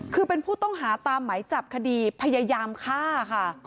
คือเป็นผู้ต้องหาตามไหมจับคดีพยายามฆ่าค่ะ